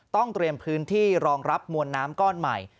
ต้องเตรียมพื้นที่รองรับมวลน้ำก้อนใหม่